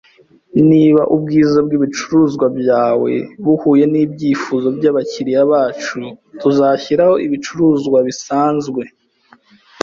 Niba ubwiza bwibicuruzwa byawe buhuye nibyifuzo byabakiriya bacu, tuzashyiraho ibicuruzwa bisanzwe